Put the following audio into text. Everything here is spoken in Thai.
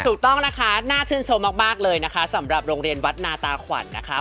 ถูกต้องนะคะน่าชื่นชมมากเลยนะคะสำหรับโรงเรียนวัดนาตาขวัญนะคะ